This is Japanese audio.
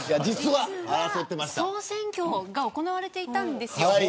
実は総選挙が行われていたんですよ。